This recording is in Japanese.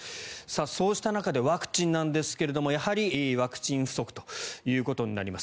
そうした中でワクチンなんですがやはり、ワクチン不足ということになります。